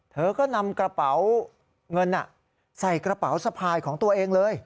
เธอก็นำกระเป๋าเงินใส่กระเป๋าสะพายของตัวเองเลย